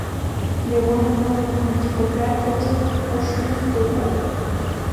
Леуа иакәын, атипографиаҿ ҟәшаҩыс дыҟоуп.